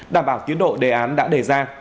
đảm bảo tiến độ đề án đã đề ra